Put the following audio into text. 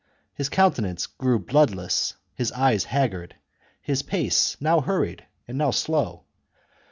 His countenance grew bloodless, his eyes haggard, his pace now hurried and now slow.